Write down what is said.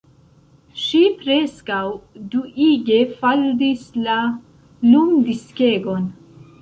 Ŝi preskaŭ duige faldis la lumdiskegon!